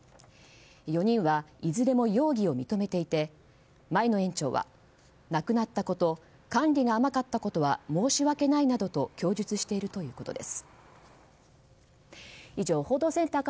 ４人はいずれも容疑を認めていて前の園長は、亡くなったこと管理が甘かったことは申し訳ないなどと供述しているということです。